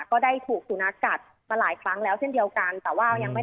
ก็ได้ถูกสุนัขกัดมาหลายครั้งแล้วเส้นเดียวกัน